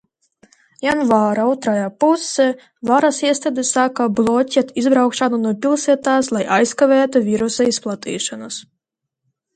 Janvāra otrajā pusē varas iestādes sāka bloķēt izbraukšanu no pilsētas, lai aizkavētu vīrusa izplatīšanos.